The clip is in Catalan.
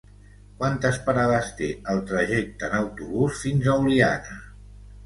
Quantes parades té el trajecte en autobús fins a Oliana?